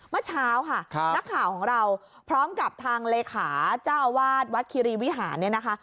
เมื่อเช้าค่ะนักข่าวของเราพร้อมกับทางเลขาเจ้าอาวาสวัดคิรีวิหารเนี่ยนะคะ